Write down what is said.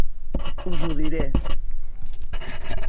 Us ho diré.